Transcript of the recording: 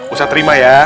usahak terima ya